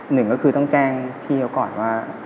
หนึ่งก็คือต้องแจ้งพี่เขาก่อนว่า